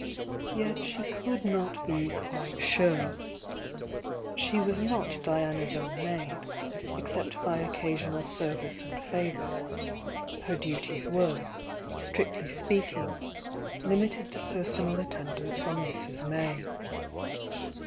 Yet she could not be quito sure. She was not Diana's own maid, except by occasional service and favour,— her duties were, strictly speaking, limited to personal attendance on Mrs. May.